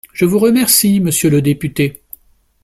Je vous remercie, monsieur le député.